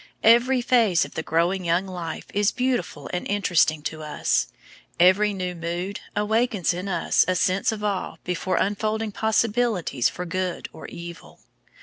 Every phase of the growing young life is beautiful and interesting to us. Every new mood awakens in us a sense of awe before unfolding possibilities for good or evil.